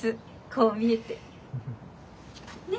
こう見えて。ね。